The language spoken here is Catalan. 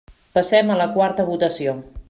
Passem a la quarta votació.